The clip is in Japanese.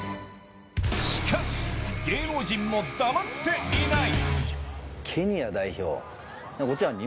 しかし、芸能人も黙っていない。